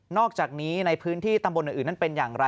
อกจากนี้ในพื้นที่ตำบลอื่นนั้นเป็นอย่างไร